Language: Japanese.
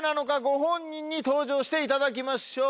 ご本人に登場していただきましょう。